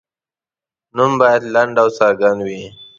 نوم باید لنډ او څرګند وي.